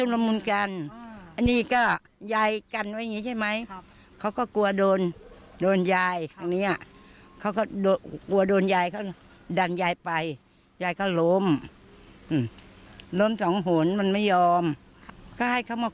แล้วก็สงสารเขาเหมือนกันเพราะแม่เขาก็เลี้ยงลูกเขาคนเดียว